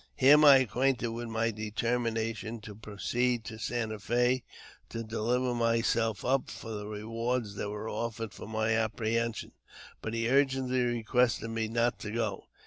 Him I acquainted with the determination to proceed to Santa Fe, to deliver myself up for the rewards that were offered for my apprehension, but he urgently requested me not to go.